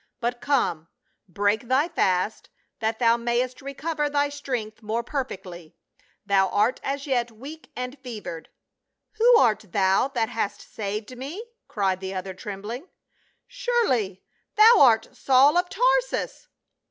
" But come, break thy fast that thou mayest recover thy strength more perfectly ; thou art as yet weak and fevered." " Who art thou that hast saved me ?" cried the other, trembling. "Surely, thou art Saul of Tarsus